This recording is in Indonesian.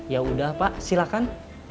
yaudah pak silakan